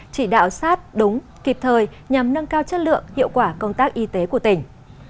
chỉ đạo sát đúng kịp thời nhằm nâng cao chất lượng hiệu quả công tác y tế của tỉnh